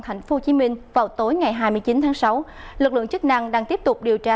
thành phố hồ chí minh vào tối ngày hai mươi chín tháng sáu lực lượng chức năng đang tiếp tục điều tra